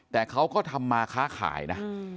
แต่เขาก็ทำมาค้าขายนะ